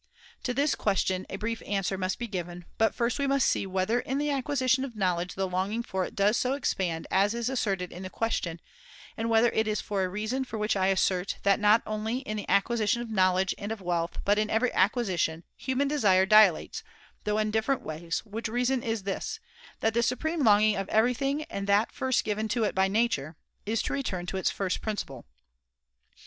To this question a brief answer must be (^1303 given, but first we must see whether in the acquisition of knowledge the longing for it does so* expand as is asserted in the question, and whether it is for a reason for which I assert that not only in the acquisition of knowledge and of wealth, but in every acquisition, human desire dilates, though in diffisrent ways ; which reason is this, that the supreme longing of everything, and that first given to it by nature, [140^ is to return to its first principle.